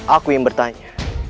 aku yang bertanya